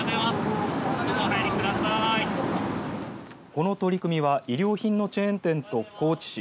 この取り組みは衣料品のチェーン店と高知市